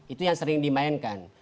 itu yang sering dimainkan